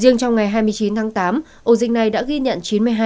riêng trong ngày hai mươi chín tháng tám ổ dịch này đã ghi nhận chín mươi hai ca